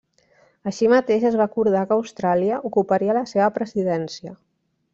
Així mateix es va acordar que Austràlia ocuparia la seva presidència.